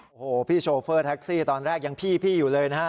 โอ้โหพี่โชเฟอร์แท็กซี่ตอนแรกยังพี่อยู่เลยนะฮะ